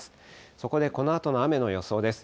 そこでこのあとの雨の予想です。